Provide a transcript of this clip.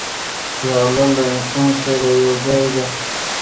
پیاله له انسان سره یو ځای ده.